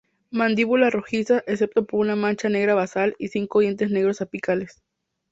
Mandíbula rojizas, excepto por una mancha negra basal y cinco dientes negros apicales.